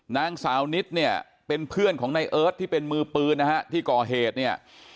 นางสาวนิดเนี่ยเป็นเพื่อนของในเอิร์ทที่เป็นมือปืนนะฮะที่ก่อเหตุเนี่ย